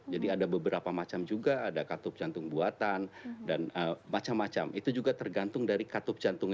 jadi ada beberapa macam juga ada katup jantung buatan dan macam macam itu juga tergantung dari katup jantung